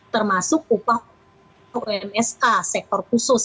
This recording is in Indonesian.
termasuk upah unsk sektor khusus